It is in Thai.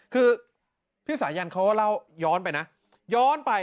คือพี่สายันเขาเล่าย้อนไปนะ